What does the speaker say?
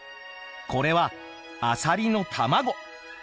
これはアサリの卵。